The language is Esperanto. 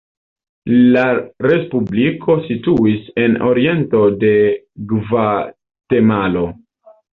La respubliko situis en oriento de Gvatemalo.